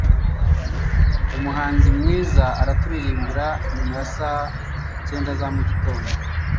umuhanzi mwiza araturirimbira nyuma ya saa cyenda za mugitondo